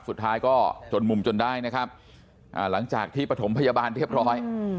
สุดท้ายก็จนมุมจนได้นะครับหลังจากที่ปฐมพยาบาลเรียบร้อย